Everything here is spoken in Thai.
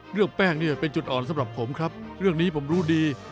เรื่องแป้งเนี่ยเป็นจุดอ่อนสำหรับผมครับเรื่องนี้ผมรู้ดี